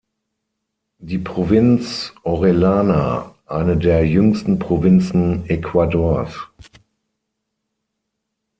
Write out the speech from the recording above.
Die Provinz Orellana eine der jüngsten Provinzen Ecuadors.